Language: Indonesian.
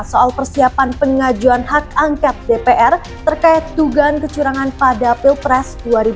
soal persiapan pengajuan hak angket dpr terkait tugas kecurangan pada pilpres dua ribu sembilan belas